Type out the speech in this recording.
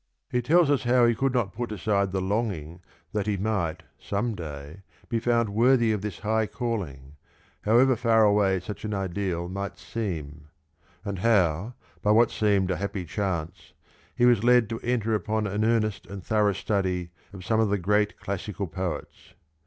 He tells us how he could not put aside the longing that he might some day be found worthy of this high calling, however far away such an ideal might 1 Colvin, Life of Keats, p. 128. 2 Ibid, p. 186. 30 seem ; and how, by what seemed a happy chance, he was led to enter upon an earnest and thorough study of some of the great classical poets.